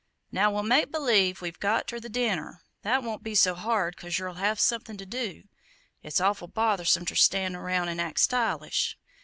Now we'll make b'lieve we've got ter the dinner that won't be so hard, 'cause yer'll have somethin' to do it's awful bothersome ter stan' round an' act stylish.